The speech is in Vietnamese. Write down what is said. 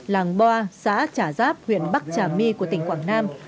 làng boa xã trà giáp huyện bắc trà my của tỉnh quảng nam